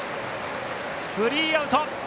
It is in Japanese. スリーアウト！